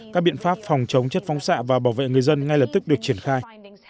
các biện pháp phòng chống chất phóng xạ và bảo vệ người dân ngay lập tức được triển khai